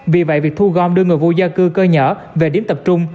vì vậy việc thu gom đưa người vô gia cư cơ nhở về điểm tập trung